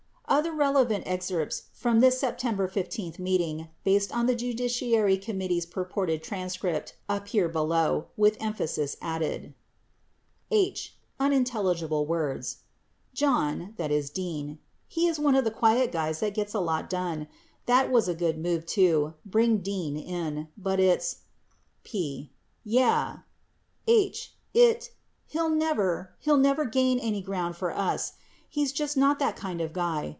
Other relevant excerpts from this September 15 meeting based on the Judiciary Committee's purported transcript appear below, with emphasis added : H. [Unintelligible words] John (Dean) , he is one of the quiet guys that gets a lot done. That was a good move, too, bring Dean in. But its P. Yeah. H. It — He'll never, he'll never gain any ground for us. He's just not that kind of guy.